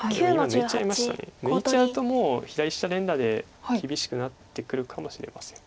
抜いちゃうともう左下連打で厳しくなってくるかもしれません。